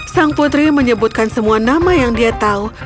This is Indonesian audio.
sang putri menyebutkan semua nama yang dia tahu